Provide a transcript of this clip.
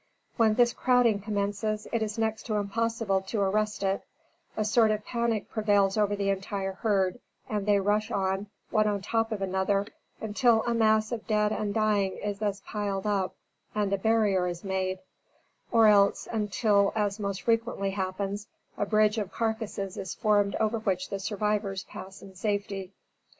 When this crowding commences, it is next to impossible to arrest it; a sort of panic prevails over the entire herd, and they rush on, one on top of another, until a mass of dead and dying is thus piled up and a barrier is made; or else, until, as most frequently happens, a bridge of carcasses is formed over which the survivors pass in safety.